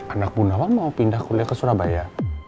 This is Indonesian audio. anak bunda bang mau pindah kuliah ke surabaya